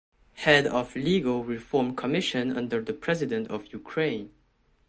Head of Legal Reform Commission under the President of Ukraine.